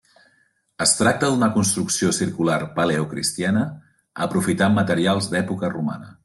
Es tracta duna construcció circular paleocristiana, aprofitant materials d'època romana.